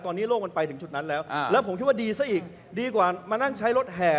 ตอนนี้โลกมันไปถึงจุดนั้นแล้วแล้วผมคิดว่าดีซะอีกดีกว่ามานั่งใช้รถแห่